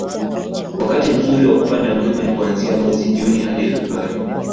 wakati mzuri kwa kupanda mlima ni kuanzia mwezi Juni hadi Februari